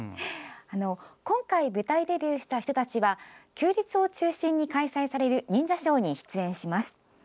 今回、舞台デビューした人たちは休日を中心に開催される忍者ショーに出演します。